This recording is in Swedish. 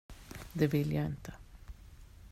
Det vill jag inte.